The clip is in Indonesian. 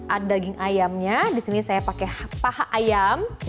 ada daging ayamnya disini saya pakai paha ayam